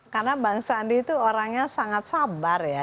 karena bang sandi itu orangnya sangat sabar ya